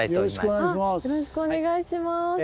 よろしくお願いします。